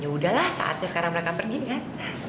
yaudahlah saatnya sekarang mereka pergi kan